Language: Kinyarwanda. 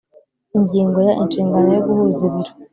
Ingingo ya Inshingano yo guhuza ibiro